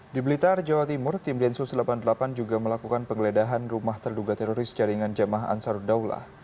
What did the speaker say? di blitar jawa timur tim densus delapan puluh delapan juga melakukan penggeledahan rumah terduga teroris jaringan jamaah ansaruddaulah